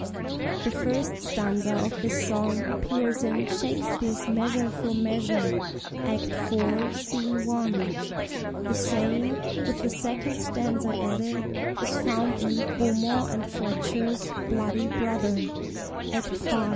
The first stanza of this song appears in Shakespeare's "Measure for Measure," Activ. Sc. I.; the same, with the second, stanza added, is found in Beaumont and Fletcher's "Bloody Brother," Act v.